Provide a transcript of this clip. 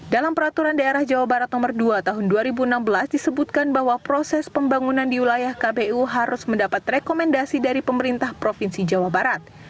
dalam peraturan daerah jawa barat nomor dua tahun dua ribu enam belas disebutkan bahwa proses pembangunan di wilayah kpu harus mendapat rekomendasi dari pemerintah provinsi jawa barat